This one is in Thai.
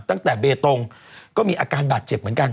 ตั้งแต่เบตงก็มีอาการบาดเจ็บเหมือนกัน